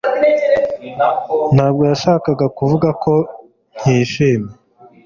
ntabwo yashakaga kuvuga ko nkishimwe.